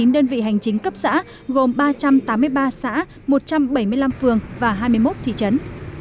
năm trăm bảy mươi chín đơn vị hành chính cấp xã gồm ba trăm tám mươi ba xã một trăm bảy mươi năm phường và hai mươi một thị trấn